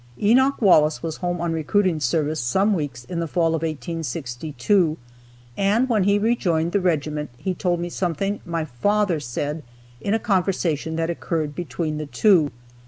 Enoch Wallace was home on recruiting service some weeks in the fall of 1862, and when he rejoined the regiment he told me something my father said in a conversation that occurred between the two.